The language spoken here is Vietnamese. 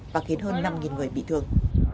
và khiến hơn năm người bị thương